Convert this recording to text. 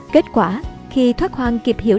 kết quả khi thoát hoàng kịp hiểu